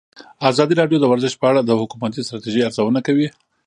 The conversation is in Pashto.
ازادي راډیو د ورزش په اړه د حکومتي ستراتیژۍ ارزونه کړې.